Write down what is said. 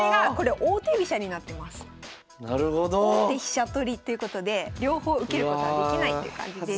王手飛車取りということで両方受けることはできないという感じです。